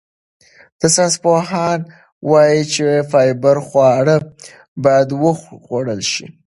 ساینسپوهان وايي چې فایبر خواړه باید وخوړل شي.